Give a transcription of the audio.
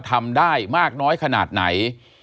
ทำได้มากน้อยขนาดไหน